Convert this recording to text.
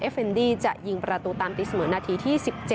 เฟนดี้จะยิงประตูตามตีเสมอนาทีที่๑๗